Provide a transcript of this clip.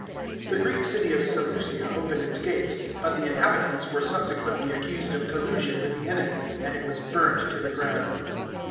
The Greek city of Seleucia opened its gates, but the inhabitants were subsequently accused of collusion with the enemy, and it was burnt to the ground.